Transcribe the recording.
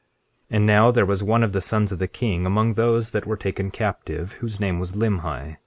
19:16 And now there was one of the sons of the king among those that were taken captive, whose name was Limhi.